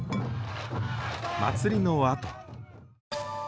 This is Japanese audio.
祭りのあと。